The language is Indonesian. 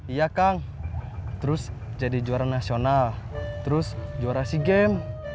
iya kang terus jadi juara nasional terus juara sea games